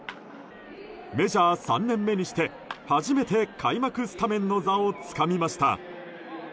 メジャー３年目にして初めて開幕スタメンの座をつかみました。